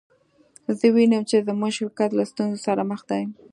زه وینم چې زموږ شرکت له ستونزو سره مخ دی